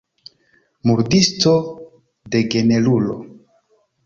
Murdisto, degenerulo.